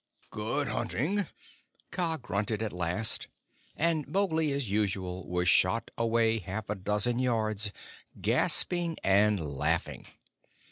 "Good hunting!" Kaa grunted at last; and Mowgli, as usual, was shot away half a dozen yards, gasping and laughing.